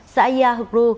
xã yà hực ru